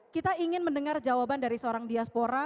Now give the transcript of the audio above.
kita ingin mendengar jawaban dari seorang diaspora